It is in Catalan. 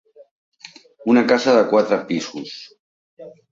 Una casa de quatre pisos.